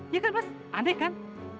ya kan mas aneh kan